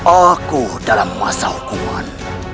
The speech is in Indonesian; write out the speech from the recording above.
aku dalam masa hukuman